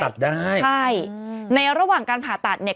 เขาต้องผ่าตัดได้ใช่ในระหว่างการผ่าตัดเนี้ย